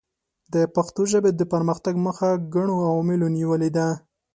د پښتو ژبې د پرمختګ مخه ګڼو عواملو نیولې ده.